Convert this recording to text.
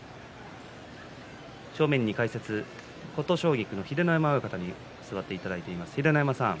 正面解説、琴奨菊の秀ノ山親方に座っていただいています。